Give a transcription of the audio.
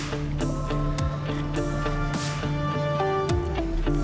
pasti sekarang lo lagi sedih kan